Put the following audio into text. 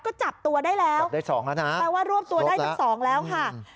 ก็จับตัวได้แล้วจับได้สองแล้วนะแปลว่ารวบตัวได้ทั้งสองแล้วค่ะ